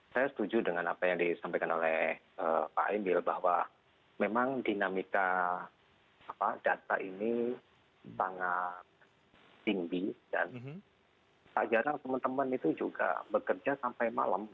saya setuju dengan apa yang disampaikan oleh pak emil bahwa memang dinamika data ini sangat tinggi dan tak jarang teman teman itu juga bekerja sampai malam